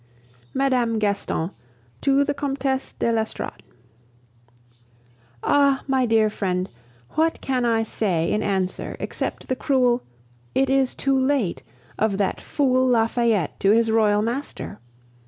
MME. GASTON TO THE COMTESSE DE L'ESTORADE Ah! my dear friend, what can I say in answer except the cruel "It is too late" of that fool Lafayette to his royal master?